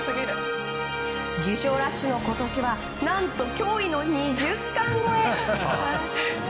受賞ラッシュの今年は何と驚異の２０冠超え。